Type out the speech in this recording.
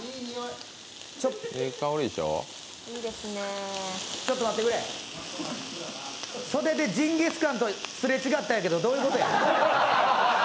ちょっと待ってくれ袖でジンギスカンとすれ違ったんやけど、どういうことや？